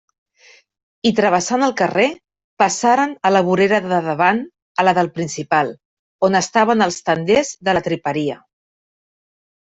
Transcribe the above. I travessant el carrer, passaren a la vorera de davant, a la del Principal, on estaven els tenders de la triperia.